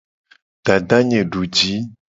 Dadanye duji.